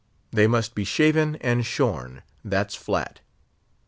They must be shaven and shorn—that's flat.